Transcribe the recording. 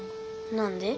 何で？